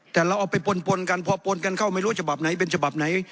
แต่เราเอาไปปนกันพอปนกันเข้าไม่รู้ฉบับไหนเป็นฉบับไหน